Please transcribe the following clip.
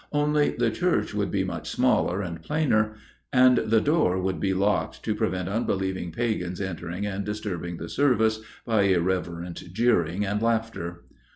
Only the church would be much smaller and plainer, and the door would be locked to prevent unbelieving pagans entering and disturbing the service by irreverent jeering and laughter.